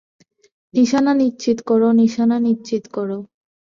নিশানা নিশ্চিত কর, নিশানা নিশ্চিত কর।